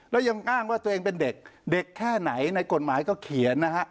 แล้วยังอ้างว่าตัวเองเป็นเด็กแค่ไหนในกฎหมายเขาเขียน